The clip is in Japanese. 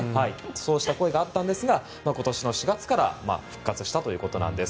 そうした声がありましたが今年４月から復活したということです。